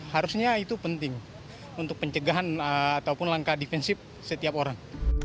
harusnya itu penting untuk pencegahan ataupun langkah defensif setiap orang